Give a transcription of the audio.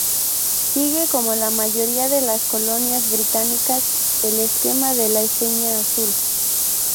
Sigue, como la mayoría de las colonias británicas el esquema de la Enseña Azul.